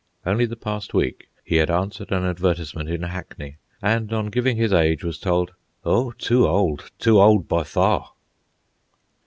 '" Only the past week he had answered an advertisement in Hackney, and on giving his age was told, "Oh, too old, too old by far."